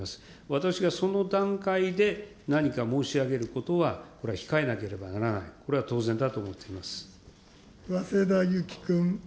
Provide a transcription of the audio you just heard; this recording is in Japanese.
私がその段階で何か申し上げることは、これは控えなければならない、早稲田ゆき君。